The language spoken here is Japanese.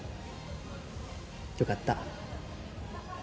よかった。